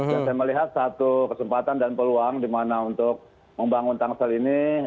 dan saya melihat satu kesempatan dan peluang dimana untuk membangun tangsel ini